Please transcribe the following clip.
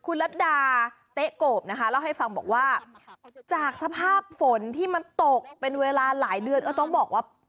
คุณรัฐดาเต๊ะโกบนะคะเล่าให้ฟังบอกว่าจากสภาพฝนที่มันตกเป็นเวลาหลายเดือนก็ต้องบอกว่า